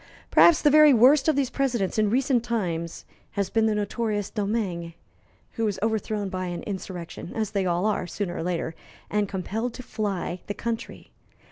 Perhaps the very worst of these presidents in recent times has been the notorious Domingue, who was overthrown by an insurrection, as they all are sooner or later, and compelled to fly the country.